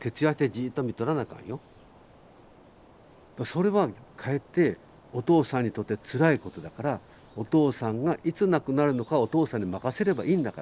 それはかえってお父さんにとってつらいことだからお父さんがいつ亡くなるのかはお父さんに任せればいいんだから。